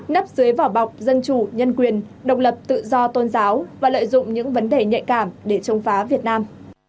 nắp dưới vỏ bọc dân chủ nhân quyền độc lập tự do tôn giáo và lợi dụng những vấn đề nhạy cảm để chống phá việt nam